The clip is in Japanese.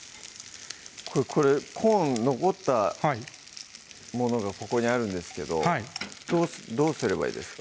これコーン残ったものがここにあるんですけどどうすればいいですか？